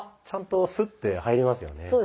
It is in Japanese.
ちゃんとスッて入りますよね。